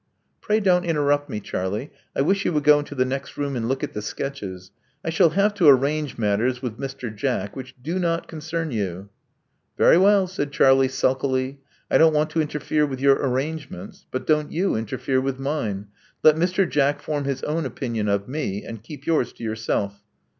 Pray don't interrupt me, Charlie. I wish you would go into the next room and look at the sketches. I shall have to arrange matters with Mr. Jack which do not concern you." '*Very well," said Charlie, sulkily. I don't want to interfere with your arrangements; but don't you interfere with mine. Let Mr. Jackrforjpi his own opinion, of me; and keep yours to yoafcelf."